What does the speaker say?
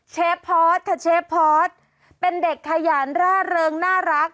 พอร์ตค่ะเชฟพอสเป็นเด็กขยันร่าเริงน่ารัก